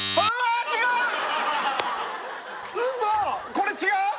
これ違う？